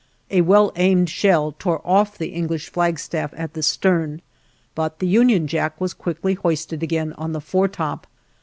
A well aimed shell tore off the English flagstaff at the stern, but the Union Jack was quickly hoisted again on the foretop.